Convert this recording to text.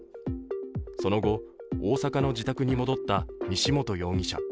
その後、大阪の自宅に戻った西本容疑者。